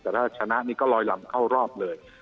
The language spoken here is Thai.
แต่ถ้าชนะนี่ก็ลอยลำเข้ารอบเลย